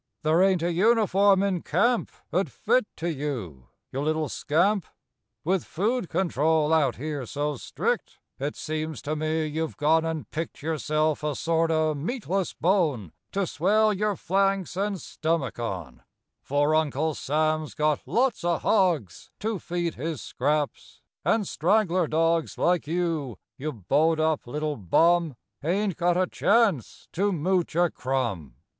There ain't a uniform in camp 'Ould fit to you, you little scamp f With food control out here so strict It seems to me you've gone and picked Yourself a sort o' meatless bone To swell your flanks and stummick on, For Uncle Sam's got lots o r hogs To feed his scraps, and straggler dogs Like you, you bowed up little hum, Ain't got a chance to mooch a crumb!